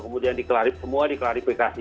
kemudian di klarifikasi